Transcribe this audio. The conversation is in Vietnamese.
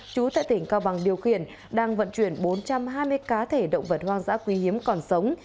chú tại tỉnh cao bằng điều khiển đang vận chuyển bốn trăm hai mươi cá thể động vật hoang dã quý hiếm còn sống